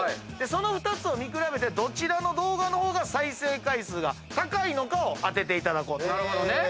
その２つを見比べてどちらの動画の方が再生回数が高いのかを当てていただこうと。